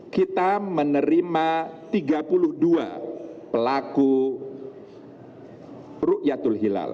kita menerima tiga puluh dua pelaku